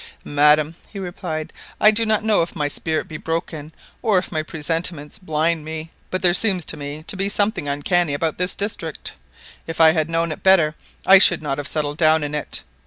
"Madam," he replied, "I do not know if my spirit be broken, or if my presentiments blind me, but there seems to me to be something uncanny about this district. If I had known it better I should not have settled down in it.